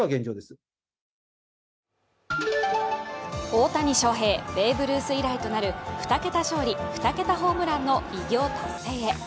大谷翔平、ベーブ・ルース以来となる２桁勝利・２桁ホームランの偉業達成へ。